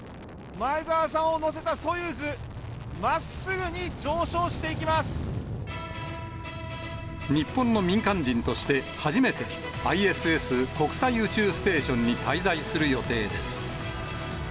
前澤さんを乗せたソユーズ、日本の民間人として初めて、ＩＳＳ・国際宇宙ステーションに滞在する予定です。